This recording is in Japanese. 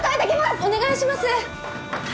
お願いします。